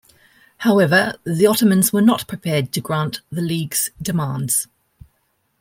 However, the Ottomans were not prepared to grant The League's demands.